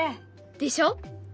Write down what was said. でしょ！